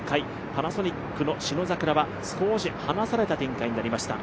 パナソニックの信櫻は少し離された展開になりました。